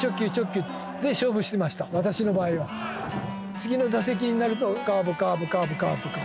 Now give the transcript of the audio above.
次の打席になるとカーブカーブカーブカーブカーブ。